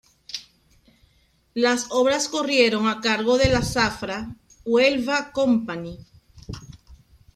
Las obras corrieron a cargo de la Zafra-Huelva Company.